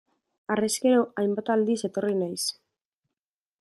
Harrezkero, hainbat aldiz etorri naiz.